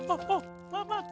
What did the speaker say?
oh oh pak mak